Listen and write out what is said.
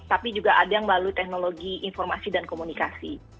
tapi juga ada yang melalui teknologi informasi dan komunikasi